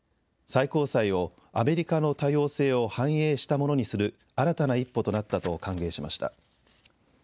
最高裁をアメリカの多様性を反映したものにする新たな一歩となったと歓迎しました。